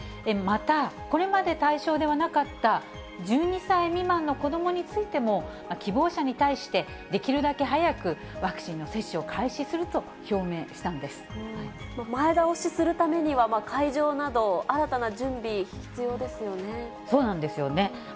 また、これまで対象ではなかった１２歳未満の子どもについても、希望者に対してできるだけ早くワクチンの接種を開始すると表明し前倒しするためには、会場なそうなんですよね。